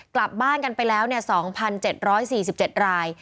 กลับบ้านกันไปแล้ว๒๗๔๗ราย